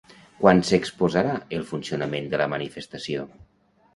Quan s'exposarà el funcionament de la manifestació?